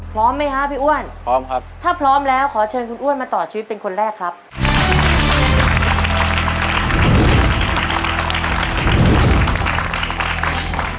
พร้อมไหมฮะพี่อ้วนถ้าพร้อมแล้วขอเชิญคุณอ้วนมาต่อชีวิตเป็นคนแรกครับพร้อมครับ